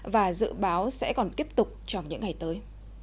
và dự báo sẽ còn tiếp tục trong những ngày tới